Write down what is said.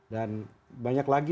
dan banyak lagi